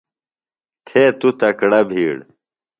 تھے تُوۡ تکڑہ بِھیڑ.